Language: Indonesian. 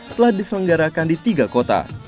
telah diselenggarakan di tiga kota